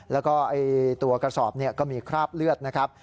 แล้วก็ตัวกระสอบก็มีคราบเลือดนะครับ